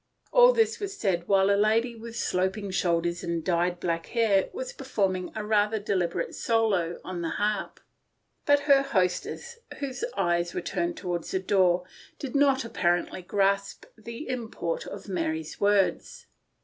All this was said while a lady with sloping shoulders and dyed black hair was performing a rather deliberate solo on the harp. But her hostess, whose eyes were turned toward the door, did not apparently grasp the import of Mary's words.